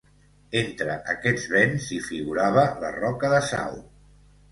Entre aquests béns hi figurava la roca de Sau.